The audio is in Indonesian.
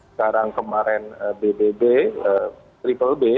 sekarang kemarin bbb bbb